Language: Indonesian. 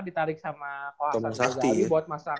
ditarik sama kawasan azali buat masak